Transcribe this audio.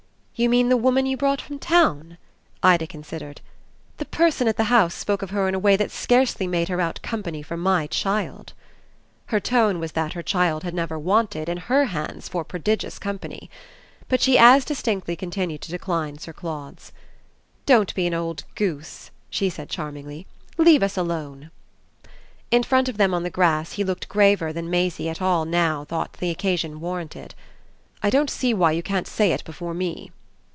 "You mean the woman you brought from town?" Ida considered. "The person at the house spoke of her in a way that scarcely made her out company for my child." Her tone was that her child had never wanted, in her hands, for prodigious company. But she as distinctly continued to decline Sir Claude's. "Don't be an old goose," she said charmingly. "Let us alone." In front of them on the grass he looked graver than Maisie at all now thought the occasion warranted. "I don't see why you can't say it before me."